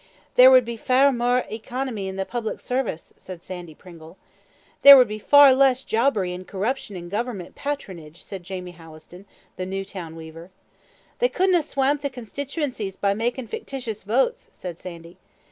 "There would be far mair economy in the public service," said Sandy Pringle. "There would be far less jobbery an' corruption in government pawtronage," said Jamie Howison, the Newtown weaver. "They couldna swamp the consteetuencies by makin' fictitious votes," said Sandy.